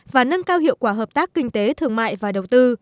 và nâng cao hiệu quả hợp tác kinh tế thường mạng